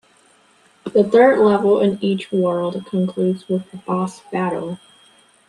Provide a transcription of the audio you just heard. The third level in each world concludes with a boss battle.